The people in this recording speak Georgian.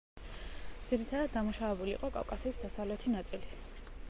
ძირითადად დამუშავებული იყო კავკასიის დასავლეთი ნაწილი.